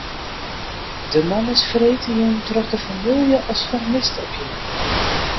De man is freedtejûn troch de famylje as fermist opjûn.